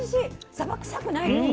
さば臭くないですね。